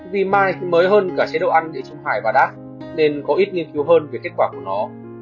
vì mite mới hơn cả chế độ ăn địa chung hải và dast nên có ít nghiên cứu hơn về kết quả của nó